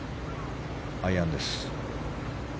アイアンです。